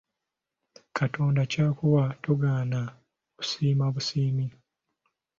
Katonda ky’akuwa togaana osiima busiimi.